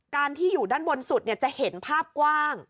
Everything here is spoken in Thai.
ที่อยู่ด้านบนสุดจะเห็นภาพกว้าง